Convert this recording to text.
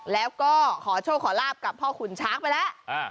แล้วก็ขอโชคขอลาบกับพ่อขุนช้างไปแล้ว